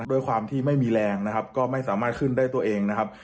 ด้วยความที่ไม่มีแรงนะครับก็ไม่สามารถขึ้นได้ตัวเองนะครับ